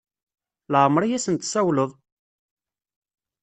Laɛmeṛ i asen-tessawleḍ?